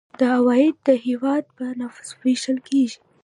دا عواید د هیواد په نفوس ویشل کیږي.